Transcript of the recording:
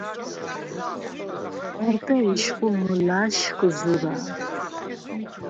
არდა ეშხუ მჷლა̄შხ ზურა̄ლ.